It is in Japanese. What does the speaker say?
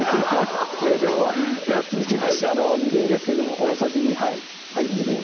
計量はでは続きましてみりんですけども大さじ２杯みりん